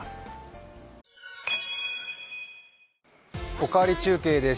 「おかわり中継」です。